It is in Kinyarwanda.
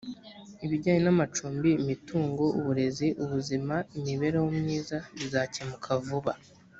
ibijyanye namacumbi imitungo uburezi ubuzima imibereho myiza bizakemuka vuba